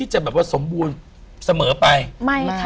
ไหม